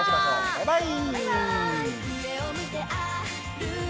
バイバーイ！